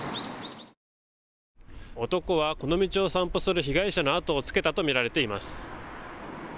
男はこの道を散歩する被害者の後をつけたと見られています。